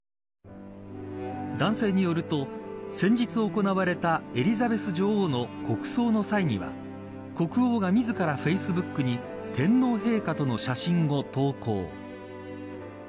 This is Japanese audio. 男性によると先日行われた、エリザベス女王の国葬の際には国王が自らフェイスブックに天皇陛下との写真を投稿。